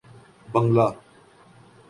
بنگلہ